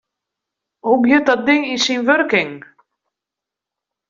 Hoe giet dat ding yn syn wurking?